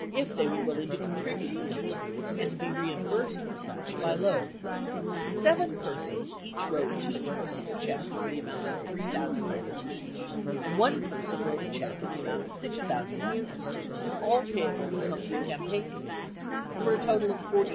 if they were willing to contribute to Humphrey and to be reimbursed for such by Loeb. Seven persons each wrote two personal checks in the amount of $3,000 each, and one person wrote a check in the amount of $6,000, all payable to Humphrey campaign committees, for a total of $48,000.